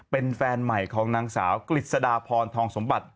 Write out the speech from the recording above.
เป็นแฟนใหม่ของนางสาวกฤษฎาพรทองสมบัติ